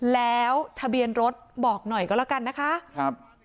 แล้วทะเบียนรถบอกหน่อยก็แล้วกันนะคะครับ